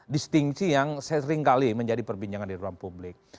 distingsi yang seringkali menjadi perbincangan di ruang publik